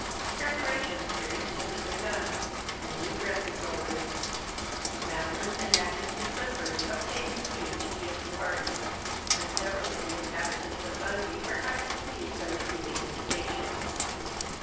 Preparations were instantly begun, and new dresses ordered. Madeline and Agnes de Clifford obtained leave to be of the party, and several of the inhabitants of Bungay were highly pleased by receiving invitations.